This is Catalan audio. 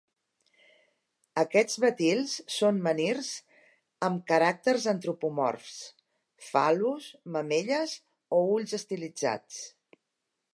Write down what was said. Aquests betils són menhirs amb caràcters antropomorfs: fal·lus, mamelles o ulls estilitzats.